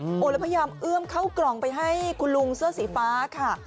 โอ้โหแล้วพยายามเอื้อมเข้ากล่องไปให้คุณลุงเสื้อสีฟ้าค่ะ